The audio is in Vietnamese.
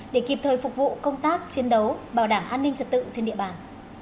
để kịp thời phục vụ công tác chiến đấu bảo đảm an ninh trật tự trên địa bàn